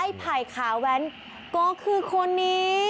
ไผ่ขาแว้นก็คือคนนี้